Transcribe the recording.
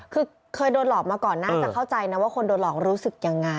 คือเคยโดนหลอกมาก่อนน่าจะเข้าใจนะว่าคนโดนหลอกรู้สึกยังไง